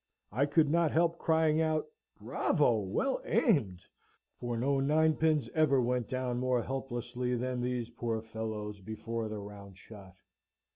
I could not help crying out, "Bravo! well aimed!" for no ninepins ever went down more helplessly than these poor fellows before the round shot.